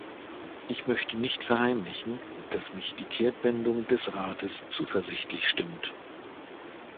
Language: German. Ich möchte nicht verheimlichen, dass mich die Kehrtwendung des Rates zuversichtlich stimmt.